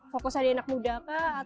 fokus ada anak muda kah